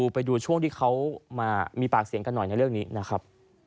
ไปดูช่วงที่เขามามีปากเสียงกันหน่อยในเรื่องนี้นะครับ